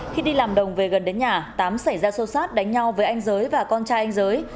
khi đi làm đồng về gần đến nhà tám xảy ra sâu sát đánh nhau với anh giới và con trai anh giới